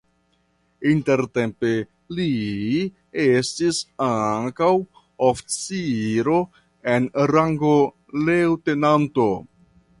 Intertempe li estis ankaŭ oficiro en rango leŭtenanto.